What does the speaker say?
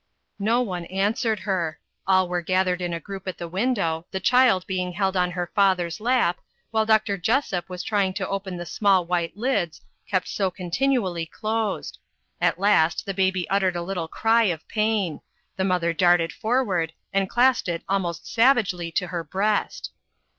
No one answered her. All were gathered in a group at the window, the child being held on her father's lap, while Dr. Jessop was trying to open the small white lids, kept so continually closed. At last the baby uttered a little cry of pain the mother darted forward, and clasped it almost savagely to her breast.